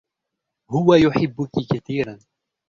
هو يحبكِ كثيرًا.